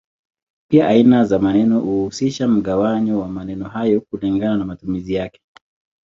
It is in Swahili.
Pia aina za maneno huhusisha mgawanyo wa maneno hayo kulingana na matumizi yake.